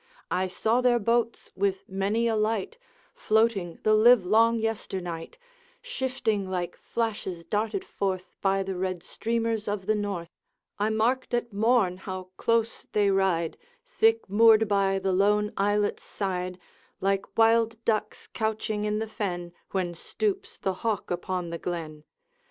I saw their boats with many a light, Floating the livelong yesternight, Shifting like flashes darted forth By the red streamers of the north; I marked at morn how close they ride, Thick moored by the lone islet's side, Like wild ducks couching in the fen When stoops the hawk upon the glen.